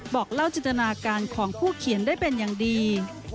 บอกเล่าจินตนาการของผู้เขียนได้เป็นอย่างดี